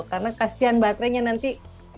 karena kasihan baterainya nanti